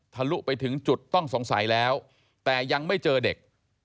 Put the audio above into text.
ลุไปถึงจุดต้องสงสัยแล้วแต่ยังไม่เจอเด็ก